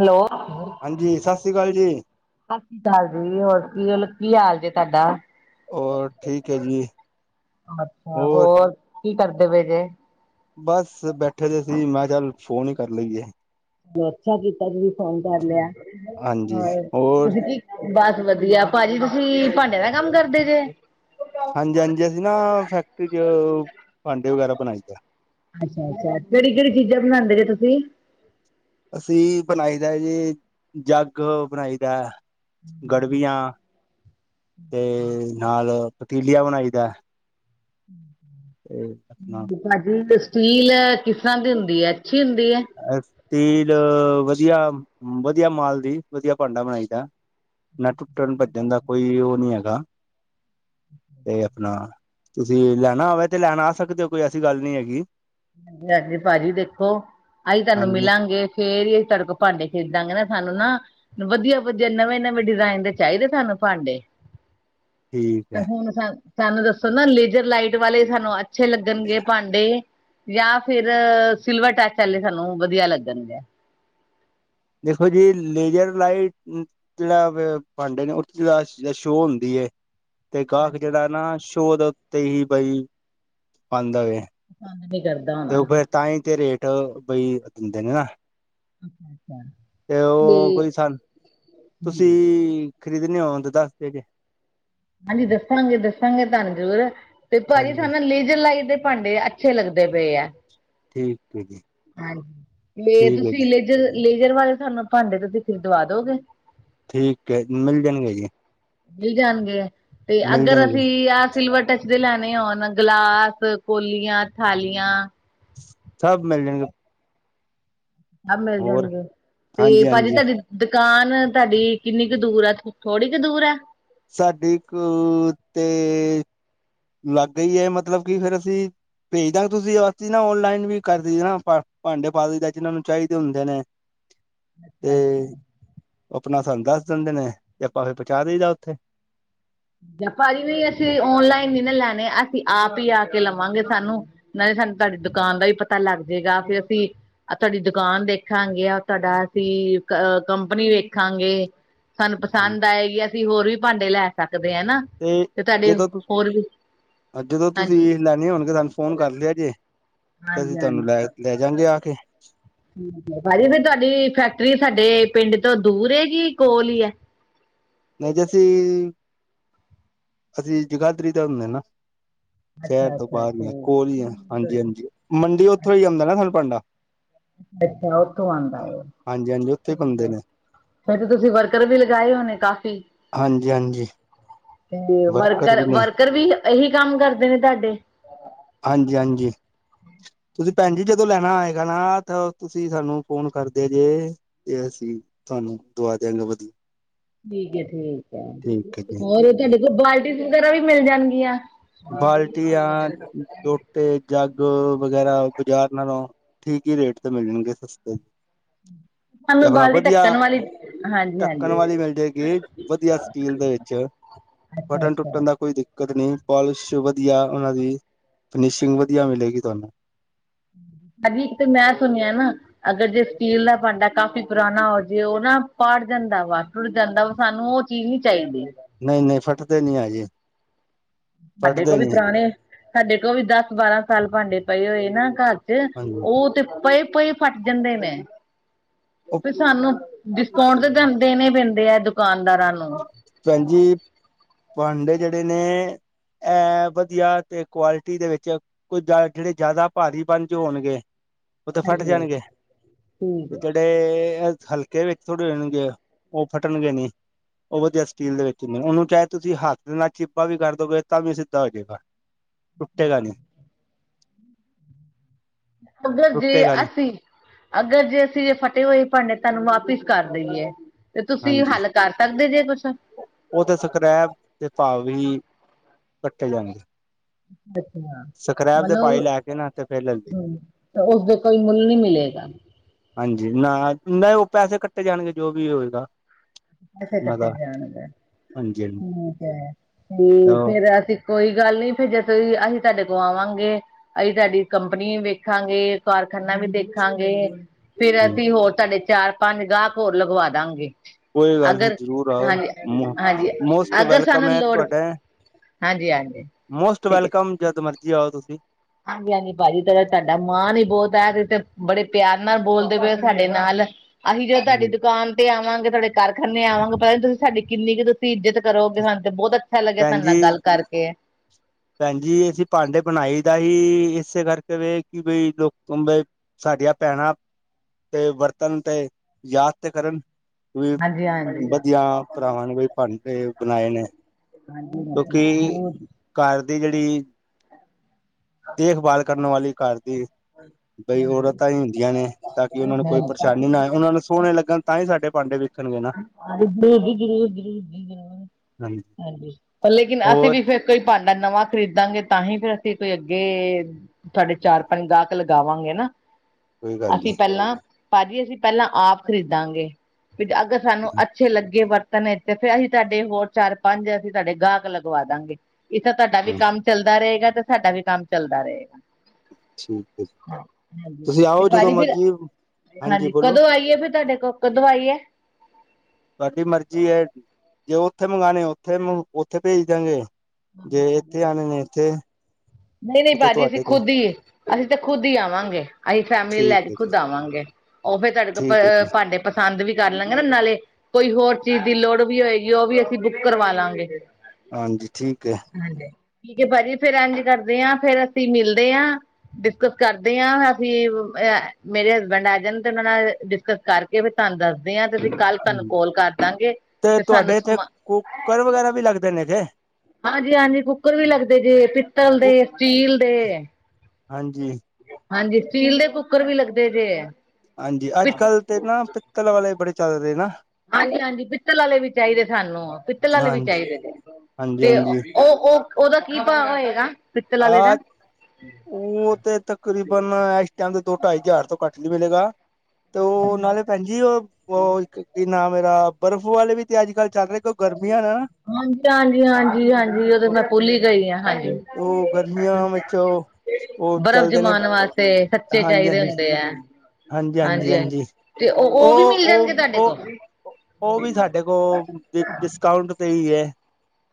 Hello ਹਾਂਜੀ ਸਤਿ ਸ੍ਰੀ ਅਕਾਲ ਜੀ ਸਤਿ ਸ਼੍ਰੀ ਅਕਾਲ ਜੀ, ਹੋਰ ਕੀਲ ਕੀ ਹਾਲ ਜ ਤਾੱਡਾ ਹੋਰ ਠੀਕ ਹੈ ਜੀ ਅੱਛਾ, ਹੋਰ ਕੀ ਕਰਦੇ ਪਏ ਜੇ ਬਸ ਬੈਠੇਦੇ ਸੀ, ਮੈਂ ਚੱਲ ਫੋਨ ਈ ਕਰ ਲਈਏ ਅੱਛਾ ਕੀਤਾ ਤੁਸੀਂ ਫੋਨ ਕਰ ਲਿਆ, ਹੋਰ ਤੁਸੀਂ ਕੀ ਬਸ ਵਧੀਆ ਭਾਜੀ ਤੁਸੀਂ ਭਾਂਡੇ ਦਾ ਕੰਮ ਕਰਦੇ ਜੇ ਹਾਂਜੀ, ਹਾਂਜੀ ਅਸੀਂ ਨਾ ਫੈਕਟਰੀ ਚ ਪਾਂਡੇ ਵਗੈਰਾ ਬਨੀਦੇ ਅੱਛਾ, ਅੱਛਾ ਕਿਹੜੀ ਕਿਹੜੀ ਚੀਜ਼ਾਂ ਬਣਾਂਦੇ ਜੈ ਤੁਸੀਂ ਅਸੀਂ ਬਣਾਈ ਦਾ ਜੀ, ਜੱਗ ਬਣਾਈ ਦਾ ਗੜ ਗਾਡਵਿਆ, ਤੇ ਨਾਲ ਪਤੀਲਆ ਬਣਾਈ ਦਾ ਹੂੰ [inaudible] ਤੇ ਆਪਨਾ ਭਾਜੀ ਸਟੀਲ ਕਿਸ ਤਰ੍ਹਾਂ ਦੀ ਹੁੰਦੀ ਏ, ਅੱਛੀ ਹੁੰਦੀ ਏ ਸਤੀਲ ਵਧੀਆ ਵਧੀਆ ਮਾਲ ਦੀ ਵਧੀਆ, ਭਾਂਡਾ ਬਣਾਈ ਦਾ [inaudible] ਟੂਟ-ਭੱਜਣ ਦਾ ਕੋਈ ਉਹ ਨੀ ਹੈਗਾ ਤੇ ਆਪਣਾ ਤੁਸੀਂ ਲੈਣਾ ਹੋਵੇ ਤੇ ਲੈਣ ਆ ਸਕਦੇ ਉ, ਕੋਈ ਐਸੀ ਗੱਲ ਨਹੀਂ ਹੈਗੀ। ਹਾਂਜੀ, ਹਾਂਜੀ ਭਾਜੀ ਦੇਖੋ, ਆਈ ਤੁਹਾਨੂੰ ਹਾਂਜੀ ਮਿਲਾਂਗੇ। ਫੇਰ ਹੀ ਅਸੀਂ ਤੁਹਾਡੇ ਕੌ ਭਾਂਡੇ ਖਰੀਦਾਂਗੇ ਨਾ, ਸਾਨੂੰ ਨਾ ਵਧੀਆ-ਵਧੀਆ, ਨਵੇਂ- ਨਵੇਂ ਡਿਜ਼ਾਇਨ ਦੇ ਚਾਹੀਦੇ, ਸਾਨੂ ਭਾਂਡੇ ਠੀਕ ਹੈ ਹੁਨ ਸਾਨ ਸਾਨੂੰ ਦੱਸੋ ਨਾ, ਲੇਜਰ ਲਾਈਟ ਵਾਲੇ ਸਾਨੂੰ ਅੱਜ ਅੱਛੇ ਲਗਣਗੇ ਭਾਂਡੇ। ਜਾਂ ਫੇਰ ਸਿਲਵਰ ਟਚ ਵਾਲੇ, ਸਾਨੂੰ ਵਧੀਆ ਲੱਗਣਗੇ। ਦੇਖੋ ਜੀ, ਲੇਜਰ ਲਾਈਟ [unintelligible] ਭਾਂਡੇ ਨੇ ਉਦੀ ਤਾ ਸ਼ੋਅ ਹੁੰਦੀ ਏ। ਤੇ ਗਾਹਕ ਜਿਹੜਾ ਨਾ ਸ਼ੋਅ ਉੱਤੇ ਹੀ ਬਈ ਪਾਦਾ ਏ। ਪਸੰਦ ਨੀ ਕਰਦਾ ਹੋਣਾ। ਤਾਂਈ ਤੇ ਰੇਟ ਬਈ ਦਿੰਦੇ ਨੇਨਾ ਤੇ ਉਹ ਕੋਈ ਸਨ, ਹਾਂਜੀ ਤੁਸੀਂ ਖਰੀਦਣੇ ਹੋਣ ਤੇ, ਦੱਸ ਦੇ ਜੇ ਹਾਂਜੀ, ਦੱਸਾਂਗੇ-ਦੱਸਾਂਗੇ ਤਾਨੂੰ ਜ਼ਰੂਰ ਤੇ ਭਾਜੀ ਸਾਨੂੰ ਹਾਂਜੀ ਨਾ ਲੇਜਰ ਲਾਈਟ ਦੇ ਭਾਂਡੇ ਆ ਅੱਛੇ ਲੱਗਦੇ ਪਏ ਆ, ਠੀਕ ਹੈ ਜੀ ਹਾਂਜੀ ਲੇ ਠੀਕ ਹੈ ਤੁਸੀਂ ਜੀ ਲੇਜਰ ਲੇਜਰ ਵਾਲੇ ਸਾਨੂੰ ਭਾਂਡੇ, ਤੁਸੀਂ ਫਿਰ ਦਵਾ ਦੋਗੇ। ਠੀਕ ਏ ਜੀ, ਮਿਲ ਜਾਣਗੇ ਜੀ। ਮਿਲ ਜਾਣਗੇ ਤੇ ਮਿਲ ਅਗਰ ਜਾਣਗੇ ਅਸੀਂ ਆ ਸਿਲਵਰ ਟੱਚ ਦੇ ਲੈਣੇ ਹੌਣ, ਗਲਾਸ, ਕੋਲੀਆਂ, ਥਾਲੀਆਂ ਸਭ ਮਿਲ ਜਾਣਗੇ। ਸਭ ਮਿਲ ਹੋਰ ਜਾਣਗੇ, ਤੇ ਹਾਂਜੀ ਭਾਜੀ ਹਾਂਜੀ ਤਾਡੀ ਦੁਕਾਨ ਤਾਡੀ ਕਿੰਨੀ ਕੁ ਦੂਰ ਏ, ਥੋੜੀ ਕੁ ਦੂਰ ਏ। ਸਾਡੀ ਕੁ ਤੇ ਲਾਗੇ ਈ ਏ, ਮਤਲਬ ਕਿ ਫੇਰ ਅਸੀਂ ਪੇਜਦਾਗੇ ਤੁਸੀਂ- ਅਸੀਂ ਨਾ ਔਨਲਾਈਨ ਵੀ ਕਰਦੇ ਨਾ ਆਪਾਂ, ਪਾਂਡੇ ਪਾ ਦਈ ਦਾ ਜਿਹਨਾਂ ਨੂੰ ਚਾਹੀਦੇ ਹੁੰਦੇ ਨੇ। [inaudible] ਏ ਆਪਨਾ ਸਾਨੂੰ ਦੱਸ ਦਿੰਦੇ ਨੇ, ਤੇ ਆਪਾਂ ਫੇਰ ਪਹੁੰਚਾ ਦੇਈਦਾ ਉੱਥੇ। ਪਾਜੀ ਨਈ ਅਸੀਂ ਔਨਲਾਈਨ ਨੀ ਨਾ ਲੈਨੇ, ਅਸੀਂ ਆਪ ਹੀ ਆ ਕੇ ਲਵਾਂਗੇ ਸਾਨੂੰ ਨਾਲ਼ੇ ਸਾਨੂੰ ਤੁਹਾਡੀ ਦੁਕਾਨ ਦਾ ਵੀ ਪਤਾ ਲੱਗ ਜਾਏਗਾ। ਫੇਰ ਅਸੀਂ ਆ ਤੁਹਾਡੀ ਦੁਕਾਨ ਦੇਖਾਂਗੇ ਆ, ਤੁਹਾਡਾ ਅਸੀਂ ਅ ਕੰਪਨੀ ਵੇਖਾਂਗੇ। ਸਾਨੂੰ ਪਸੰਦ ਆਏਗੀ, ਅਸੀਂ ਹੋਰ ਵੀ ਪਾਂਡੇ ਲੈ ਸਕਦੇ ਆ ਹਨਾ। ਤੇ ਜਦੋਂ ਤੁ ਅ ਜਦੋਂ ਹਾਂਜੀ ਤੁਸੀਂ ਲੈਣੇ ਹੋਣਗੇ ਸਾਨੂੰ ਫੋਨ ਕਰ ਲੇਆ ਜੇ, ਤੇ ਅਸੀਂ ਹਾਂਜੀ ਤੁਹਾਨੂੰ ਲੈ- ਲੈ ਜਾਗੇ ਆ ਕੇ। ਪਾਜੀ ਫੇਰ ਤੁਹਾਡੀ ਫੈਕਟਰੀ ਸਾਡੇ ਪਿੰਡ ਤੋਂ ਦੂਰ ਐ ਕੇ ਕੋਲ ਈ ਐ। ਓਂਜ ਅਸੀਂ-ਅਸੀਂ ਜਗਾਦਰੀ ਦਾ ਹੁੰਦੇ ਨਾ। ਸ਼ਹਿਰ ਤੋਂ ਅੱਛਾ-ਅੱਛਾ ਬਾਹਰ ਈ ਆ, ਠੀਕ ਕੋਲ ਈ ਆ ਹਾਂਜੀ- ਹਾਂਜੀ, ਮੰਡੀ ਉੱਥੋਂ ਹੀ ਆਂਦਾ ਨਾ ਸਾਨੂੰ ਪਾਂਡਾ। ਅੱਛਾ, ਉਥੋਂ ਆਂਦਾ ਵੇ ਹਾਂਜੀ ਹਾਂਜੀ ਉੱਥੇ ਹੀ ਠੀਕ ਬਣਦੇ ਏ। ਨੇ ਫੇਰ ਤੇ ਤੁਸੀਂ ਵਰਕਰ ਵੀ ਲਗਾਏ ਹੋਨੇ ਕਾਫ਼ੀ ਹਾਂਜੀ- ਹਾਂਜੀ। ਵਰਕਰ, ਵੀ ਨੇ ਵਰਕਰ ਵੀ ਇਹੀ ਕੰਮ ਕਰਦੇ ਨੇ ਤਾਡੇ। ਹਾਂਜੀ-ਹਾਂਜੀ ਤੁਸੀਂ ਪੈਣ ਜੀ, ਜਦੋਂ ਲੈਣਾ ਹੋਏਗਾ ਨਾ, ਤਾਂ ਤੁਸੀਂ ਸਾਨੂੰ ਫੋਨ ਕਰਦਿਆਂ ਜੇ ਏ ਅਸੀਂ ਤੁਹਾਨੂੰ ਦੁਆ ਦਿਆਂਗੇ ਵਧੀਆ। ਠੀਕ ਐ, ਠੀਕ ਐ, ਠੀਕ ਹੈ ਜੀ ਹੋਰ ਤਾਡੇ ਕੋਲ ਬਾਲਟੀਸ ਵਗੈਰਾ ਵੀ ਮਿਲ ਜਾਣਗੀਆਂ। ਬਾਲਟੀਆਂ, ਲੋਟੇ, ਜੱਗ ਵਗੈਰਾ ਬਾਜ਼ਾਰ ਨਾਲੋਂ ਠੀਕ ਹੀ ਰੇਟ ਤੇ ਮਿਲ ਜਾਨਗੇ ਸਸਤੇ। ਤੇ ਹਾਨੂੰ, ਆਪਣਾ ਬਾਲਟੀ ਵਧੀਆ ਢੱਕਣ ਵਾਲੀ ਢੱਕਣ ਹਾਂਜੀ-ਹਾਂਜੀ ਵਾਲੀ ਮਿਲ ਜੇਗੀ, ਵਧੀਆ ਸਟੀਲ ਦੇ ਵਿੱਚ। ਬਟਨ ਅੱਛਾ-ਅੱਛਾ ਟੁੱਟਨ ਦਾ ਕੋਈ ਦਿ ਕਦਨੀ ਪੋਲਿਸ਼ ਵਧੀਆ, ਉਨਾਂ ਦੀ ਫਿਨਿਸ਼ਿੰਗ ਵਧੀਆ ਮਿਲੇਗੀ, ਤੁਹਾਨੂੰ। ਏ ਵੀ ਇੱਕ ਤੇ ਮੈਂ ਸੁਣਿਆ ਨਾ। ਅਗਰ ਜੇ ਸਟੀਲ ਦਾ ਪਾਂਡਾ ਕਾਫ਼ੀ ਪੁਰਾਣਾ ਹੋ, ਜੇ ਓ ਨਾ ਪਾੜ ਜਾਂਦਾ ਵਾ। ਤੁੜ ਜਾਂਦਾ ਵਾ, ਸਾਨੂੰ ਉਹ ਚੀਜ਼ ਨੀ ਚਾਹੀਦੀ। ਨਈ -ਨਈ ਫਟਦੇ ਨਈ ਹੈ ਜੀ। ਸਾਡੇ ਕੋਲ ਵੀ ਪੁਰਾਣੇ, ਸਾਡੇ ਕੋਲ ਵੀ ਦਸ-ਬਾਰਾਂ ਸਾਲ ਪਾਂਡੇ ਪਏ ਹੋਏ ਨਾ ਘਰ। ਹਾਂਜੀ ਓ ਤੇ ਪਏ-ਪਏ ਫੱਟ ਜਾਂਦੇ ਨੇ। ਉਹ ਫੇਰ ਸਾਨੂੰ ਡਿਸਕਾਊਂਟ ਤੇ ਦੇਣੇ ਪੈਂਦੇ ਆ, ਦੁਕਾਨਦਾਰਾਂ ਨੂੰ। ਪੈਣ ਜੀ, ਪਾਂਡੇ ਜਿਹੜੇ ਨੇ। ਐ ਵਧੀਆ ਤੇ ਕੁਆਲਿਟੀ ਦੇ ਵਿੱਚ। ਕੋਝ ਜਿਹੜੇ ਜ਼ਿਆਦਾ ਭਾਰੀ ਬਣ ਚ ਹੋਣਗੇ। ਉਹਤੇ ਫਟ ਹਾਂਜੀ ਜਾਣਗੇ ਠੀਕ ਹੈ ਤੇ। ਤੇ ਹਲਕੇ ਵਿੱਚ ਥੋੜੇ ਹੋ ਜਣਗੇ ਉਹ ਫਟਣਗੇ ਨੀ। ਉਹ ਵਧੀਆ ਸਟੀਲ ਦੇ ਵਿੱਚ ਨੇ ਉਹਨੂੰ ਚਾਹੇ ਤੁਸੀਂ ਹੱਥ ਦੇ ਨਾਲ ਚਿੱਪਾ ਵੀ ਕਰਦੋਗੇ ਤਾਂ ਵੀ ਸਿੱਧਾ ਹੋ ਜਾਵੇਗਾ। ਟੁੱਟੇ ਗਾ ਨੀ। ਅਗਰ ਜੇ ਟੁੱਟੇਗਾ ਨੀ ਅਸੀਂ। ਅਗਰ ਜੇ ਅਸੀਂ ਐ ਫਟੇ ਹੋਏ ਭਾਂਡੇ ਤੁਹਾਨੂੰ ਵਾਪਿਸ ਕਰ ਦੇਈਏ। ਤੇ ਤੁਸੀਂ ਹਾਂਜੀ ਹੱਲ ਕਰ ਸਕਦੇ ਜੇ ਕੁੱਛ। ਉਹ ਤੇ ਸਕ੍ਰੈਪ ਦੇ ਭਾਵ ਹੀ ਕੱਟੇ ਜਾਣਗੇ। ਅੱਛਾ ਸਕ੍ਰੈਪ ਦੇ ਭਾਈ ਮਲਬ। ਲੈ ਕੇ ਨਾ ਤੇ ਫੇਰ ਲੈ ਲਈ ਹਾਂ ਤੇ ਉਸਦੇ ਕੋਈ ਮੁੱਲ ਨਹੀਂ ਮਿਲੇਗਾ। ਹਾਂਜੀ ਨਾ ਨਾ ਉਹ ਪੈਸੇ ਕੱਟੇ ਜਾਣਗੇ ਜੋ ਵੀ ਹੋਏਗਾ। ਪੈਸੇ ਉਹਨਾਂ ਕੱਟੇ ਦਾ ਜਾਣਗੇ ਹਾਂਜੀ ਠੀਕ ਹੈ ਤੇ ਹਾਂਜੀ ਫੇਰ ਅਸੀਂ। ਕੋਈ ਗੱਲ ਨੀ ਫਿਰ ਜਦੋਂ ਅਸੀਂ ਤੁਹਾਡੇ ਕੋ ਆਵਾਂਗੇ। ਅਸੀਂ ਤੁਹਾਡੀ ਕੰਪਨੀ ਵੀ ਵੇਖਾਂਗੇ ਕਾਰਖਾਨਾ ਵੀ ਦੇਖਾਂਗੇ। ਫਿਰ ਹਮ ਅਸੀਂ ਹੋਰ ਤੁਹਾਡੇ ਚਾਰ-ਪੰਜ ਗਾਹਕ ਹੋਰ ਲਗਵਾਦਾਂਗੇ। ਕੋਈ ਗੱਲ ਨੀ ਜ਼ਰੂਰ ਆਓ ਹਾਂਜੀ ਮੋਸਟ ਅਗਰ ਵੈਲਕਮ ਸਾਨੂੰ ਹੈ ਲੋੜ ਤੁਹਾਡਾ। ਹਾਂਜੀ ਹਾਂਜੀ ਮੋਸਟ ਵੈਲਕਮ ਜਦ ਮਰਜੀ ਆਓ ਤੁਸੀਂ। ਹਾਂਜੀ-ਹਾਂਜੀ ਭਾਜੀ ਤਾਂ ਤੁਹਾਡਾ ਮਾਣ ਹੀ ਬੋਤ ਹੈ ਤੇ ਬੜੇ ਪਿਆਰ ਨਾਲ ਬੋਲਦੇ ਪਏ ਸਾਡੇ ਨਾਲ। ਅਸੀਂ ਜਦੋਂ ਤੁਹਾਡੀ ਦੁਕਾਨ। ਆਵਾਂਗੇ ਤੁਹਾਡੇ ਕਾਰਖਾਨੇ ਆਵਾਂਗੇ ਪਤਾ ਨ ਤੁਸੀਂ ਸਾਡੀ ਕਿੰਨੀ ਕੁ ਤੁਸੀਂ ਇੱਜਤ ਕਰੋਗੇ ਸਾਨੂੰ ਤੇ ਬੋਤ ਅ ਅੱਛਾ ਲੱਗਿਆ ਭੈਣ ਤੁਹਾਡੇ ਜੀ ਨਾਲ ਗੱਲ ਕਰਕੇ। ਭੈਣ ਜੀ ਅਸੀਂ ਭਾਂਡੇ ਬਣਾਈ ਦਾ ਸੀ ਇਸੇ ਕਰਕੇ ਵੇ ਕਿ ਬਈ ਲੋਕ। ਸਾਡੀਆਂ ਭੈਣਾਂ ਤੇ ਵਰਤਣ ਤੇ ਯਾਦ ਤੇ ਕਰਨ। ਵੀ ਹਾਂਜੀ ਹਾਂਜੀ ਹਾਂਜੀ ਵਧੀਆ ਜ਼ਰੂਰ ਭਰਾਵਾਂ ਨੇ ਕੋਈ ਭਾਂਡੇ ਬਣਾਏ ਨੇ। ਹਾਂਜੀ ਹਾਂਜੀ ਕਿਉਂਕਿ ਘਰ ਦੀ ਜੇੜੀ। ਦੇਖਭਾਲ ਕਰਨ ਵਾਲੀ ਘਰ ਦੀ। ਬਈ ਔਰਤਾਂ ਹੀ ਹੁੰਦੀਆਂ ਨੇ ਤਾਂ ਕਿ ਉਹਨਾਂ ਨੂੰ ਕੋਈ ਪਰੇਸ਼ਾਨੀ ਨਾ ਆਏ ਉਹਨਾਂ ਨੂੰ। ਸੋਣੇ ਲੱਗਣ ਤਾਂ ਹੀ ਸਾਡੇ ਭਾਂਡੇ ਵਿੱਕ। ਹਾਂਜੀ ਜ਼ਰੂਰ ਜੀ ਜ਼ਰੂਰ-ਜ਼ਰੂਰ ਜੀ ਜ਼ਰੂਰ ਹਾਂਜੀ ਲੇਕਿਨ ਅਸੀਂ ਹੋਰ ਵੀ ਫੇਰ। ਕੋਈ ਭਾਂਡਾ ਨਵਾਂ ਖਰੀਦਾਂਗੇ ਤਾਂ ਹੀ ਫੇਰ ਅਸੀਂ ਕੋਈ ਅੱਗੇ। ਤੁਹਾਡੇ ਚਾਰ-ਪੰਜ ਗਾਹਕ ਲਗਾਵਾਂਗੇ ਨਾ। ਕੋਈ ਗੱਲ ਅਸੀਂ ਨੀ ਪੈਲਾਂ ਭਾਜੀ ਅਸੀਂ ਪੈਲਾਂ ਆਪ ਖਰੀਦਾਂਗੇ ਫਿਰ ਅਗਰ ਸਾਨੂੰ। ਅੱਛੇ ਲੱਗੇ ਵਰਤਨ ਤੇ ਫਿਰ ਅਸੀਂ ਤੁਹਾਡੇ ਹੋਰ ਚਾਰ-ਪੰਜ ਅਸੀਂ ਤੁਹਾਡੇ ਗਾਹਕ ਲਗਵਾ ਦਾਂਗੇ। ਇਹ ਤਾਂ ਤੁਹਾਡਾ ਵੀ ਕੰਮ ਚੱਲਦਾ ਰਹੇਗਾ ਤੇ ਸਾਡਾ ਵੀ ਕੰਮ ਚੱਲਦਾ ਰਹੇਗਾ। ਠੀਕ ਹੈ ਜੀ। ਹਾਂਜੀ ਤੇ ਭਾਜੀ ਫਿਰ ਹਾਂਜੀ ਕਦੋਂ ਆਈਏ ਫਿਰ ਤੁਹਾਡੇ ਕੋਲ ਕਦੋਂ ਆਈਏ। ਤੁਹਾਡੀ ਮਰਜ਼ੀ ਏ। ਜੇ ਉੱਥੇ ਮੰਗਵਾਉਣੇ ਉੱਥੇ ਉੱਥੇ ਭੇਜ ਦਿਆਂਗੇ ਜੇ ਇੱਥੇ ਆਉਣੇ ਨੇ ਇੱਥੇ। ਨਹੀਂ ਨਹੀਂ ਉੱਥੇ ਭਾਜੀ ਅਸੀਂ ਤੁਹਾਡੇ ਤੋਂ ਖੁਦ ਹੀ। ਅਸੀਂ ਤਾਂ ਖੁੱਦ ਹੀ ਆਵਾਂਗੇ। ਅਸੀਂ ਫੈਮਿਲੀ ਲਈ ਲੈ ਠੀਕ ਕੇ ਹੈ ਖੁੱਦ ਜੀ ਆਵਾਂਗੇ ਉਹ ਫਿਰ ਤਾਡੇਕੋ ਠੀਕ ਹੈ ਜੀ ਭਾਂਡੇ। ਪਸੰਦ ਵੀ ਕਰ ਲਾਂਗੇ ਨਾ ਨਾਲੇ ਕੋਈ ਹੋਰ ਚੀਜ਼ ਦੀ ਲੋੜ ਵੀ ਹੋਏਗੀ ਉਹ ਵੀ ਅਸੀਂ ਬੁੱਕ ਕਰਵਾ ਲਾਂਗੇ। ਹਾਂਜੀ ਠੀਕ ਹੈ। ਹਾਂਜੀ ਠੀਕ ਹੈ। ਭਾਜੀ ਫਿਰ ਐਂਜ ਕਰਦੇ ਹਾਂ ਫੇਰ ਅਸੀਂ ਮਿਲਦੇ ਹਾਂ। ਡਿਸਕਸ ਕਰਦੇ ਹਾਂ ਅਸੀਂ ਐ ਮੇਰੇ ਹਸਬੈਂਡ ਆ ਜਾਣ ਤੇ ਉਹਨਾਂ ਨਾਲ ਡਿਸਕਸ ਕਰਕੇ ਵੀ ਤੁਹਾਨੂੰ ਦੱਸ। ਦਸਦੇ ਹਾਂ ਤੇ ਕੱਲ ਤੁਹਾਨੂੰ ਕੋਲ ਕਰ ਦਾਂਗੇ ਤੇ ਸਾਨੂੰ ਤੁਹਾਡੇ ਇੱਥੇ ਸਮਾ। ਕੁੱਕਰ ਵਗੈਰਾ ਵੀ ਲੱਗਦੇ ਨੇ ਜੇ। ਹਾਂਜੀ- ਹਾਂਜੀ ਕੁੱਕਰ ਵੀ ਲੱਗਦੇ ਜੇ, ਪਿੱਤਲ ਦੇ ਕੁ ਸਟੀਲ ਦੇ। ਹਾਂਜੀ। ਹਾਂਜੀ ਸਟੀਲ ਦੇ ਕੁੱਕਰ ਵੀ ਲੱਗਦੇ ਜੇ। ਹਾਂਜੀ ਪਿ ਅੱਜ -ਕੱਲ੍ਹ ਤੇ ਨਾ ਪਿੱਤਲ ਵਾਲੇ ਬੜੇ ਚੱਲਦੇ ਨਾ। ਹਾਂਜੀ- ਹਾਂਜੀ ਪਿੱਤਲ ਵਾਲੇ ਵੀ ਚਾਹੀਦੇ ਸਾਨੂੰ, ਪਿੱਤਲ ਵਾਲੇ ਵੀ ਹਾਂਜੀ ਚਾਹੀਦੇ ਨੇ, ਹਾਂਜੀ ਤੇ ਉਹ ਹਾਂਜੀ ਉਹ, ਉਹ ਉਹਦਾ ਕੀ ਭਾਅ ਹੋਏਗਾ। ਪਿੱਤਲ ਵਾਲੇ ਆ। ਦਾ ਉਹ ਤੇ ਤਕਰੀਬਨ ਐਛ ਟਨ ਦੋ ਢਾਈ ਹਜ਼ਾਰ ਤੋਂ ਘੱਟ ਨੀ ਮਿਲੇਗਾ, ਤੇ ਉਹ ਨਾਲੇ ਭੈਣ ਜੀ ਉਹ, ਉਹ ਇੱਕ। ਕਿ ਨਾਂ ਮੇਰਾ, ਬਰਫ਼ ਵਾਲੇ ਵੀ ਤੇ ਅੱਜ- ਕੱਲ ਚੱਲ ਰਹੇ, ਕਿਉਂ ਗਰਮੀਆਂ ਨਾ। ਹਾਂਜੀ- ਹਾਂਜੀ- ਹਾਂਜੀ- ਹਾਂਜੀ ਉਹ ਤੇ ਮੈਂ ਭੁੱਲ ਹੀ ਗਈ ਹਾਂ ਹਾਂਜੀ। ਉਹ ਗਰਮੀਆਂ ਵਿੱਚ ਉਹ, ਉਹ ਬਰਫ਼ ਚਲਦੇ ਨੇ। ਜਮਾਉਣ ਵਾਸਤੇ ਸੱਚੇ ਹਾਂਜੀ- ਚਾਹੀਦੇ ਹਾਂਜੀ। ਹੁੰਦੇ ਹੈ ਹਾਂਜੀ- ਹਾਂਜੀ- ਹਾਂਜੀ। ਤੇ ਵੀ ਉਹ- ਮਿਲ ਉਹ ਜਾਣਗੇ ਤੁਹਾਡੇ -ਉਹ। ਕੋਲ ਉਹ ਵੀ ਸਾਡੇ ਕੋਲ, ਡਿਸ ਡਿਸਕਾਊਂਟ ਤੇ ਹੀ ਹੈ।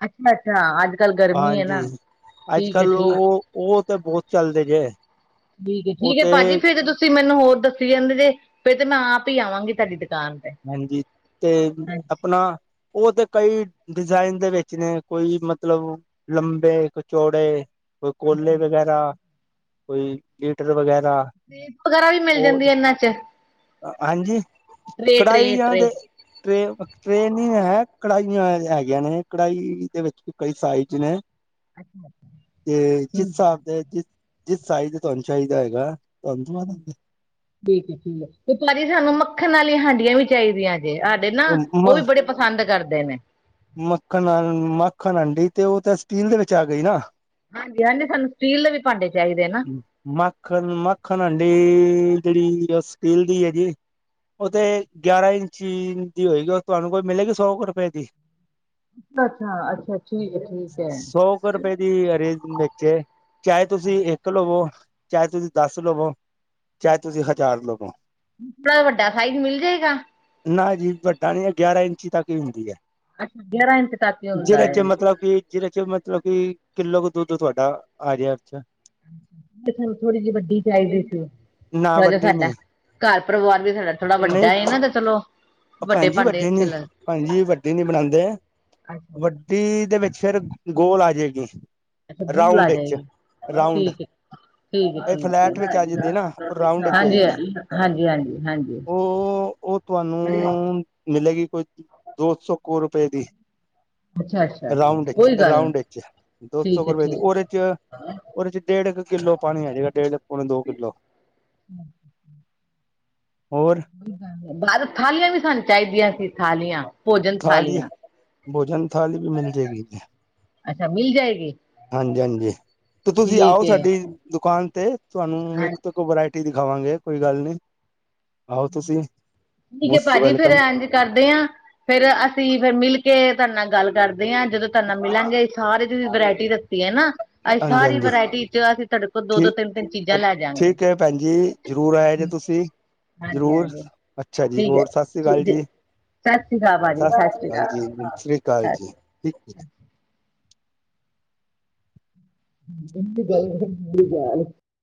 ਅੱਛਾ- ਅੱਛਾ ਅੱਜ- ਕੱਲ ਗਰਮੀ ਹੈ ਨਾ। ਹਾਂਜੀ ਅੱਜ- ਠੀਕ ਹੈ ਕੱਲ ਠੀਕ ਉਹ, ਉਹ ਤੇ ਬਹੁਤ ਚੱਲਦੇ ਜੇ। ਠੀਕ ਹੈ। ਉਹ ਠੀਕ ਹੈ। ਤੇ ਭਾਜੀ ਫਿਰ ਤੁਸੀਂ ਮੈਨੂੰ ਹੋਰ ਦੱਸੀ ਜਾਂਦੇ ਜੇ ਫਿਰ ਤੇ ਮੈਂ ਆਪ ਹੀ ਆਵਾਂਗੀ ਤੁਹਾਡੀ ਦੁਕਾਨ। ਤੇ ਹਾਂਜੀ ਤੇ ਹਾਂਜੀ ਆਪਣਾ। ਉਹ ਤੇ ਕਈ ਡਿਜ਼ਾਇਨ ਦੇ ਵਿੱਚ ਨੇ, ਕੋਈ ਮਤਲਬ। ਲੰਬੇ, ਕਚੌੜੇ। ਕੋਈ ਕੋਲੇ ਵਗੈਰਾ, ਕੋਈ ਲੀਟਰ ਵਗੈਰਾ। ਸੇਬ ਵਗੈਰਾ ਵੀ ਮਿਲ ਜਾਂਦੇ ਉਹ ਇਹਨਾਂ 'ਚ। ਹਾਂਜੀ, ਟਰੇ ਕਢਾਈ ਟਰੇ ਜਾਂ ਟਰੇ ਦੇ। ਟਰੇ ਟ੍ਰੇ ਨੀ ਹੈ। ਕੜਾਹੀਆਂ ਹੈਗੀਆਂ ਨੇ, ਕੜਾਹੀ ਦੇ ਵਿੱਚ ਕਈ ਸਾਈਜ਼ ਨੇ। ਅੱਛਾ ਤੇ ਜੀ ਜਿਸ ਹਿਸਾਬ ਦੇ ਜਿਸ ਜਿਸ ਸਾਈਜ਼ ਤੁਹਾਨੂੰ ਚਾਹੀਦਾ ਹੋਏਗਾ ਤੁਹਾਨੂੰ ਦਵਾਂਦੇਂਗੇ। ਠੀਕ ਹੈ ਠੀਕ ਤੇ ਭਾਜੀ ਸਾਨੂੰ ਮੱਖਣ ਵਾਲੀਆਂ ਹਾਂਡੀਆਂ ਵੀ ਚਾਹੀਦੀਆਂ ਜੇ ਅੱਜ ਤੇ ਨਾ, ਉਹ ਵੀ ਬੜੇ ਪਸੰਦ ਕਰਦੇ ਨੇ। ਮੱਖਣ-ਮੱਖਣ ਹਾਂਡੀ ਤੇ ਉਹ ਤੇ ਸਟੀਲ ਦੇ ਵਿੱਚ ਆ ਗਈ ਨਾ। ਹਾਂਜੀ, ਸਾਨੂੰ ਸਟੀਲ ਦੇ ਵੀ ਭਾਂਡੇ ਚਾਹੀਦੇ ਨੇ ਨਾ। ਮੱਖਣ-ਮੱਖਣ ਹਾਂਡੀ ਜਿਹੜੀ ਉਹ ਸਟੀਲ ਦੀ ਹੈਗੀ ਉਹ ਤੇ, ਗਿਆਰਾਂ ਇੰਚੀ ਦੀ ਹੋਏਗੀ ਤੁਹਾਨੂੰ ਕੋਈ ਮਿਲੇਗੀ ਸੌ ਕੁ ਰੁਪਏ ਦੀ। ਅੱਛਾ, ਅੱਛਾ ਠੀਕ ਹੈ, ਠੀਕ ਹੈ। ਸੌ ਕੁ ਰੁਪਏ ਦੀ ਹਰੇ ਵੇਚੇ। ਚਾਹੇ ਤੁਸੀ ਇੱਕ ਲਵੋ। ਚਾਹੇ ਤੁਸੀ ਦੱਸ ਲਵੋ। ਚਾਹੇ ਤੁਸੀ ਹਜ਼ਾਰ ਲਵੋ। ਥੋੜਾ ਵੱਡਾ ਸਾਈਜ਼ ਮਿਲ ਜਾਏਗਾ? ਨਾ ਜੀ ਵੱਡਾ ਨੀ, ਗਿਆਰਾਂ ਇੰਚੀ ਤੱਕ ਹੀ ਹੁੰਦੀ ਹੈ। ਅੱਛਾ, ਗਿਆਰਾਂ ਇੰਚ ਤਕ ਹੀ ਹੁੰਦਾ ਜਿਹਦੇ ਚ ਏ। ਮਤਲਬ ਕਿ ਜਿਹਦੇ 'ਚ ਮਤਲਬ ਕਿ ਕਿੱਲੋ ਕੁ ਦੁੱਧ ਤੁਹਾਡਾ ਆ ਜੇ ਅੱਛਾ। ਤੁਹਾਨੂੰ ਥੋੜੀ ਜਿਹੀ ਵੱਡੀ ਚਾਹੀਦੀ ਸੀ। ਨਾ ਥੋੜਾ ਜਿਹਾ ਵੱਡੀ ਸਾਡਾ। ਨੀ ਘਰ ਪਰਿਵਾਰ ਵੀ ਸਾਡਾ ਥੋੜਾ ਵੱਡਾ ਏ ਤੇ ਚਲੋ। ਅਪਾਂ ਇੰਝ ਈ ਭਾਂਡੇ ਵੱਡੇ ਅੱਛੇ ਨੇ, ਲੱਗ ਭੈਣ ਜੀ ਵੱਡੇ ਨੀ ਬਣਾਉਂਦੇ ਅੱਛਾ। ਵਡ। ਤੀ ਦੇ ਵਿੱਚ ਸਿਰਫ ਗੋਲ ਆ ਜੇਗੀ। ਅੱਛਾ ਬੂਲ ਆ ਜਾਏਗੀ ਠੀਕ ਹੈ ਠੀਕ ਐ ਇਹ ਠੀਕ, ਫਲੈਟ ਵਿੱਚ ਆ ਜਾਂਦੀ ਨਾ ਉਹ ਰਾਊਂਡ ਹਾਂਜੀ ਹਾਂਜੀ ਹਾਂਜੀ ਹਾਂਜੀ ਹਾਂਜੀ। ਓ, ਓ ਤੁਆਨੂੰ ਮਿਲੇਗੀ ਕੋਈ ਦੋ ਸੌ ਕੁ ਰੁਪਏ ਦੀ। ਅੱਛਾ, ਅੱਛਾ, ਅੱਛਾ। ਰਾਉਂਡ ਇੱਚ, ਕੋਈ ਗੱਲ ਨੀ, ਰਾਉਂਡ ਇੱਚ ਦੋ ਸੌ ਠੀਕ ਹੈ, ਕੁ ਰਪਏ ਦੀ ਠੀਕ। ਓਦੇ ਚ ਓਦੇ ਚ ਡੇਢ ਕੁ ਕਿੱਲੋ ਪਾਣੀ ਆ ਜੇਗਾ ਡੇਢ ਪੋਣੇ ਦੋ ਕਿੱਲੋ। [inaudible] ਹੋਰ? ਬਾਰੋਂ ਥਾਲੀਆਂ ਵੀ ਸਾਨੂੰ ਚਾਈਦੀਆਂ ਸੀ ਥਾਲੀਆਂ। ਭੋਜਨ ਥਾਲੀ, ਥਾਲੀਆਂ। ਭੋਜਨ ਥਾਲੀ ਵੀ ਮਿਲ ਜਾਏਗੀੇ ਓੱਥੇ। ਅੱਛਾ ਮਿਲ ਜਾਏਗੀ, ਹਾਂਜੀ ਹਾਂਜੀ ਤੇ ਤੁਸੀਂ ਆਓ ਠੀਕ ਹੈ। ਸਾਡੀ ਦੁਕਾਨ ਤੇ ਤੁਆਨੂੰ ਹਾਂਜੀ ਇੱਕ ਵਰਾਇਟੀ ਦਿਖਾਵਾਂਗੇ ਕੋਈ ਗੱਲ ਨੀ। ਠੀਕ ਐ ਮੋਸਟ ਭਾਜੀ ਫੇਰ ਵੈਲਕਮ ਐਂਜ ਕਰਦੇ ਆਂ ਫੇਰ ਅਸੀਂ ਫਿਰ ਮਿਲ ਕੇ ਤਾਡੇ ਨਾਲ ਗੱਲ ਕਰਦੇ ਆਂ, ਜਦੋਂ ਤਾਡੇ ਨਾ ਮਿਲਾਂਗੇ ਸਾਰੇ ਜੇੜੀ ਵਰਾਇਟੀ ਰਤੀ ਐ ਨਾ, ਅਸੀਂ ਹਾਂਜੀ ਸਾਰੀ ਹਾਂਜੀ ਵਰਾਇਟੀ ਚ ਅਸੀਂ ਤਾਡੇ ਕੋ ਦੋ-ਦੋ, ਤਿੰਨ-ਤਿੰਨ ਚੀਜ਼ਾਂ ਲੈ ਜਾਂਗੇ। ਭੈਣਜੀ ਜ਼ਰੂਰ ਆਏ ਜੇ ਤੁਸੀਂ, ਹਾਂਜੀ ਜ਼ਰੂਰ ਹਾਂਜੀ ਅੱਛਾ ਜੀ ਠੀਕ ਹੋਰ ਹੈ ਸਤਿ ਸ੍ਰੀ ਅਕਾਲ ਜੀ। ਸਤਿ ਸ਼੍ਰੀ ਅਕਾਲ ਭਾਜੀ ਸਤਿ ਸ਼੍ਰੀ [unintelligible] ਸ੍ਰੀ ਅਕਾਲ ਸਤਿ ਜੀ ਠੀਕ। [inaudible]